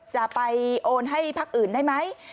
จะไปโอนให้พักอื่นได้ไหม